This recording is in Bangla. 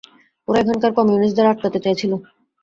ওরা এখানকার কমিউনিস্টদের আটকাতে চাইছিল।